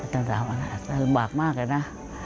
ตั้งสามวันลำบากมากเลยนะ